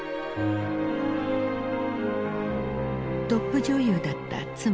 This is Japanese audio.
トップ女優だった妻